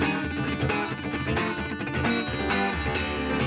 กลับไป